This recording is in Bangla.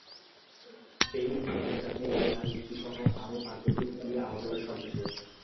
দেলুকে বাঁচাতে এলে তাঁর স্ত্রীসহ আরও পাঁচজনকে কুপিয়ে আহত করে সন্ত্রাসীরা।